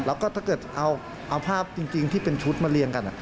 แล้วก็ถ้าเกิดเอาภาพจริงที่เป็นชุดมาเรียงกัน